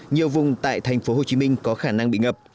nhiều vùng tại thành phố hồ chí minh có khả năng bị ngập